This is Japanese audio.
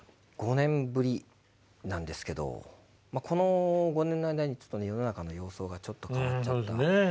５年ぶりなんですけどこの５年の間に世の中の様相がちょっと変わっちゃった。